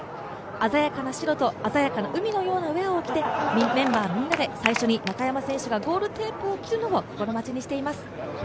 鮮やかな白と鮮やかな海のようなウエアを着てメンバーみんなで最初に中山選手がゴールテープを切るのを心待ちにしています。